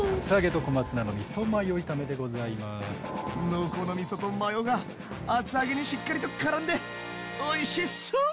濃厚なみそとマヨが厚揚げにしっかりとからんでおいしそう！